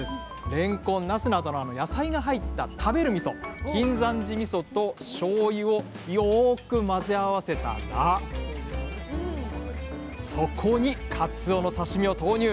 れんこんなすなどの野菜が入った食べるみそ「金山寺みそ」としょうゆをよく混ぜ合わせたらそこにかつおの刺身を投入。